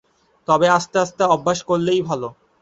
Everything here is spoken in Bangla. তবে আস্তে আস্তে অভ্যাস করলে ভালো।